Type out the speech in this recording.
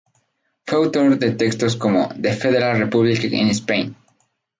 Fue autor de textos como "The Federal Republic in Spain.